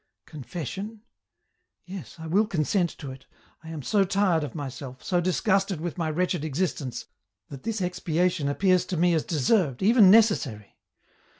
" Confession ? Yes, I will consent to it, I am so tired ot myself, so disgusted with my wretched existence that this expiation appears to me as deserved, even necessary.